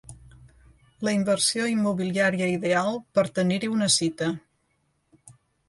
La inversió immobiliària ideal per tenir-hi una cita.